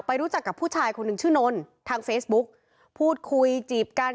รู้จักกับผู้ชายคนหนึ่งชื่อนนทางเฟซบุ๊กพูดคุยจีบกัน